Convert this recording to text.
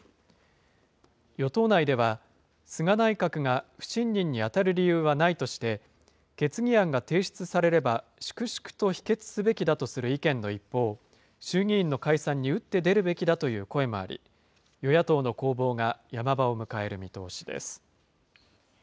与党内では、菅内閣が不信任ににあたる理由はないとして、決議案が提出されれば粛々と否決すべきだとする意見の一方、衆議院の解散に打って出るべきだという声もあり、与野党の攻防が山場を迎える見通しです。